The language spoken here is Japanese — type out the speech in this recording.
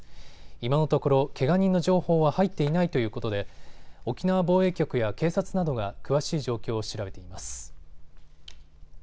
今のところけが人の情報は入っていないということで沖縄防衛局や警察などが詳しい状況を調べています。